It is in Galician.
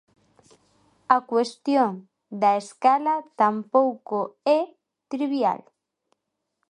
A cuestión da escala tampouco é trivial.